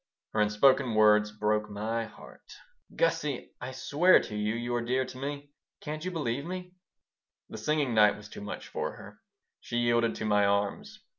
Her unspoken words broke my heart "Gussie! I swear to you you're dear to me. Can't you believe me?" The singing night was too much for her. She yielded to my arms.